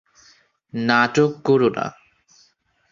নাটক কোরো না।